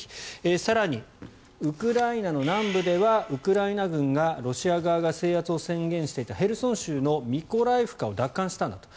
更に、ウクライナの南部ではウクライナ軍がロシア側が制圧を宣言していたヘルソン州のミコライフカから奪還したんだと。